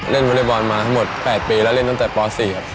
วอเล็กบอลมาทั้งหมด๘ปีแล้วเล่นตั้งแต่ป๔ครับ